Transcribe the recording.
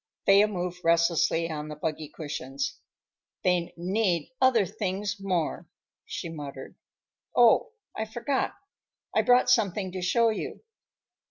Thea moved restlessly on the buggy cushions. "They need other things more," she muttered. "Oh, I forgot. I brought something to show you.